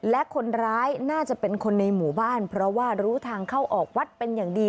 และคนร้ายน่าจะเป็นคนในหมู่บ้านเพราะว่ารู้ทางเข้าออกวัดเป็นอย่างดี